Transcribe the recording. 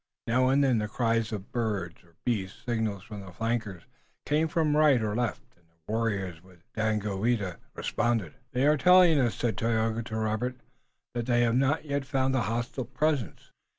Now and then the cries of bird or beast, signals from the flankers, came from right or left, and the warriors with Daganoweda responded. "They are telling us," said Tayoga to Robert, "that they have not yet found a hostile presence.